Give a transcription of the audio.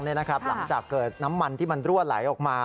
หลังจากเกิดน้ำมันที่มันรั่วไหลออกมา